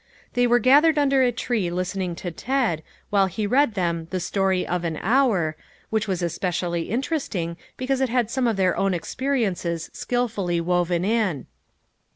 They were gathered under a tree listening to Ted, while he read them " The Story of An Hour," which was especially interesting because it had some of their own ex periences skilfully woven in.